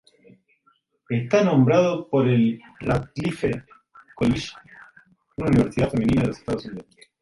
Está nombrado por el Radcliffe College, una universidad femenina de los Estados Unidos.